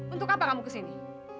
untuk apa kamu kesini